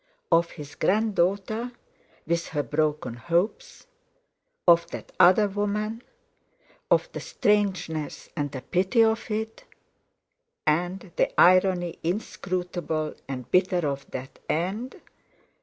Of his grand daughter, with her broken hopes? Of that other woman? Of the strangeness, and the pity of it? And the irony, inscrutable, and bitter of that end?